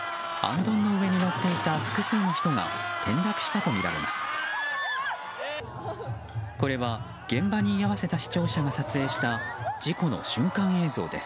観衆の悲鳴と共にあんどんの上に乗っていた複数の人が転落したとみられます。